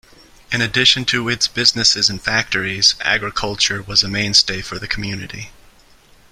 In addition to its businesses and factories, agriculture was a mainstay for the community.